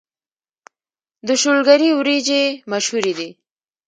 د شولګرې وريجې مشهورې دي